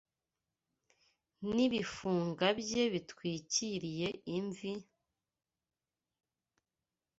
N'ibifunga bye bitwikiriye imvi